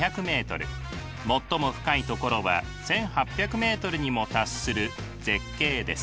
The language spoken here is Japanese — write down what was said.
最も深い所は１，８００ｍにも達する絶景です。